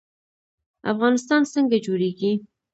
افغانستان څنګه جوړیږي؟